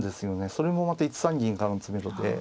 それもまた１三銀からの詰めろで。